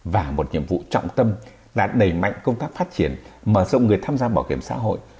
và một nhiệm vụ trọng tâm là đẩy mạnh công tác phát triển mở rộng người tham gia bảo hiểm xã hội